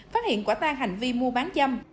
phát hiện quả tan hành vi mua bán dâm